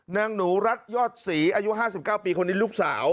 นางหนูรัฐยอดศรีอายุ๕๙ปีคนนี้ลูกสาว